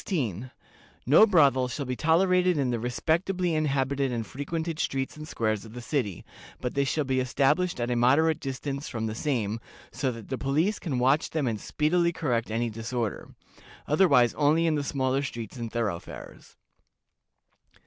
No brothel shall be tolerated in the respectably inhabited and frequented streets and squares of the city, but they shall be established at a moderate distance from the same, so that the police can watch them and speedily correct any disorder; otherwise only in the smaller streets and thoroughfares.